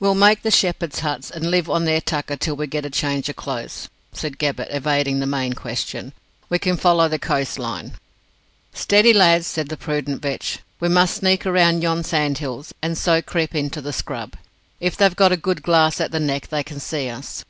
"We'll make the shepherds' huts, and live on their tucker till we get a change o' clothes," said Gabbett evading the main question. "We can follow the coast line." "Steady, lads," said prudent Vetch; "we must sneak round yon sandhills, and so creep into the scrub. If they've a good glass at the Neck, they can see us."